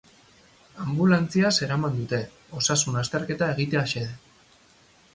Anbulantziaz eraman dute, osasun-azterketa egitea xede.